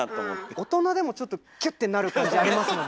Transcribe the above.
大人でもちょっとキュッてなる感じありますもんね。